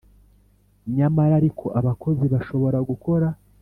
Nyamara ariko abakozi bashobora gukora